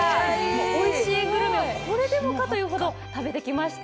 おいしいグルメをこれでもかというほど食べてきました。